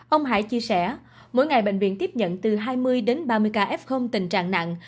ông hải chia sẻ mỗi ngày bệnh viện tiếp nhận từ hai mươi đến ba mươi ca f tình trạng nặng